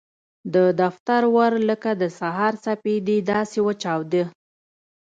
د دفتر ور لکه د سهار سپېدې داسې وچاوده.